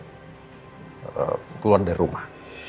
keluar dari rumah